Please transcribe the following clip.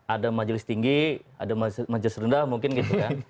ada majelis tinggi ada majelis rendah mungkin gitu ya